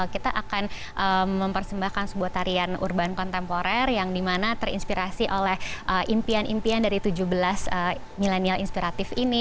kita akan mempersembahkan sebuah tarian urban kontemporer yang dimana terinspirasi oleh impian impian dari tujuh belas milenial inspiratif ini